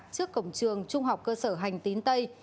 trước cổng trường trung học cơ sở hành tín tây